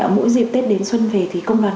mỗi dịp tết đến xuân về thì công đoàn